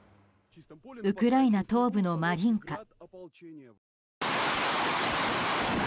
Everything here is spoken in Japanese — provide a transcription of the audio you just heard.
ウクライナ東部のマリンカ。